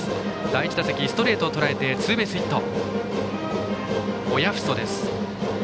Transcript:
第１打席ストレートをとらえてツーベースヒット。